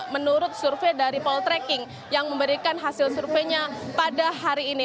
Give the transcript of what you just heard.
menurut survei dari poltreking yang memberikan hasil surveinya pada hari ini